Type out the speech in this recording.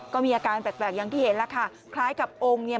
ก็มีอาการแปลกอย่างที่เห็นแล้วค่ะคล้ายกับองค์เนี่ย